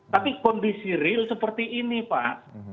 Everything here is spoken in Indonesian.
tapi kondisi real seperti ini pak